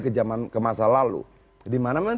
ke masa lalu dimana memang